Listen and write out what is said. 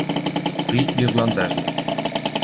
Fill d'irlandesos.